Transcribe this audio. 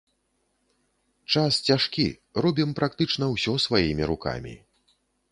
Час цяжкі, робім практычна ўсё сваімі рукамі.